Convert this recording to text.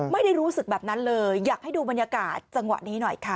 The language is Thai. ไม่ได้รู้สึกแบบนั้นเลยอยากให้ดูบรรยากาศจังหวะนี้หน่อยค่ะ